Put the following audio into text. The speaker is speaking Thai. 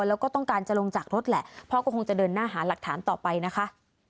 แล้วก็ต้องการจะลงจากรถแหละพ่อก็คงจะเดินหน้าหาหลักฐานต่อไปนะคะ